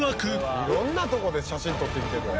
「いろんなとこで写真取ってきてるやん」